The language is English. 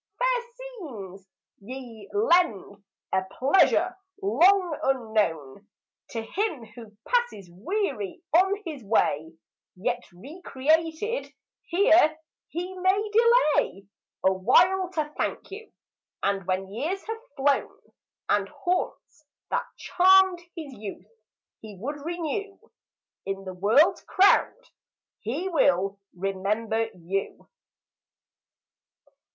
Fair scenes, ye lend a pleasure, long unknown, To him who passes weary on his way; Yet recreated here he may delay A while to thank you; and when years have flown, And haunts that charmed his youth he would renew, In the world's crowd he will remember you.